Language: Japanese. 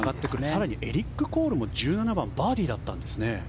更にエリック・コールも１７番バーディーだったんですね。